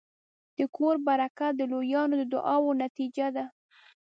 د کور برکت د لویانو د دعاوو نتیجه ده.